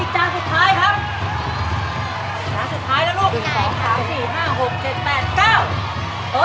อีกจานสุดท้ายแล้วลูก